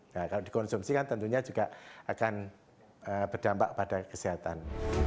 nah kalau dikonsumsikan tentunya juga akan berdampak pada kesehatan